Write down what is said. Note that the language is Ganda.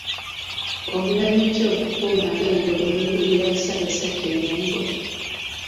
Omulanyo ki ogukuumwa abenjovu mu lubiri lwa Ssaabasajja e Mengo?